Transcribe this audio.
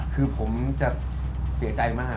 คือผมจะเสียใจมาก